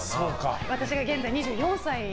私が現在、２４歳。